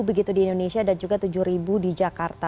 begitu di indonesia dan juga tujuh ribu di jakarta